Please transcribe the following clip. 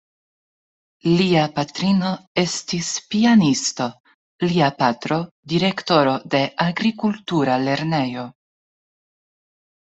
Lia patrino estis pianisto, lia patro direktoro de agrikultura lernejo.